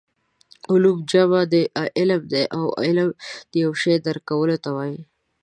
علوم جمع د علم ده او علم د یو شي درک کولو ته وايي